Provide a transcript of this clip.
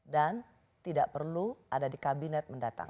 dan tidak perlu ada di kabinet mendatang